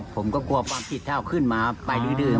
ผมก็กลัวความผิดถ้าเอาขึ้นมาไปดื้อ